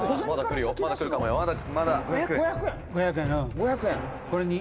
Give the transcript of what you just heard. ５００円？」